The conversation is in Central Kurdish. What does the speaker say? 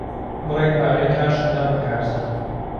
بڕێک پارەی کاشم دا بە کارزان.